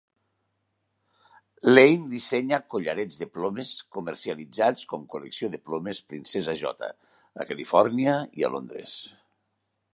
Lane dissenya collarets de plomes comercialitzats com "Col·lecció de Plomes Princesa J." a Califòrnia i a Londres.